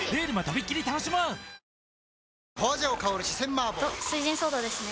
麻婆・と「翠ジンソーダ」ですね